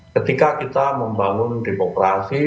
ketika kita membangun demokrasi